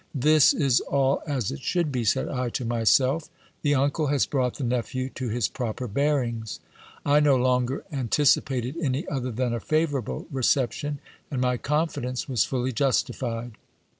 This is all as it should be, said I to myself ; the uncle has brought the nephew to his proper bearings. I no longer anticipated any other than a favourable reception, and my confidence was fully justified.